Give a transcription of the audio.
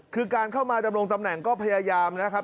คือการเข้ามาดำรงตำแหน่งก็พยายามนะครับ